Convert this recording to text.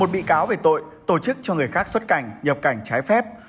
một bị cáo về tội tổ chức cho người khác xuất cảnh nhập cảnh trái phép